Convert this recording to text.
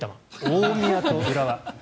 大宮と浦和。